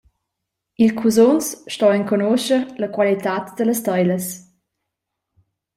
Il cusunz sto enconuscher la qualitad dallas teilas.